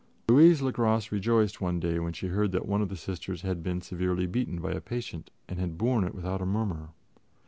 Louise le Gras rejoiced one day when she heard that one of the Sisters had been severely beaten by a patient and had borne it without a murmur.